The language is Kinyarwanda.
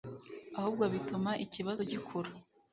ahubwo bituma ikibazo gikura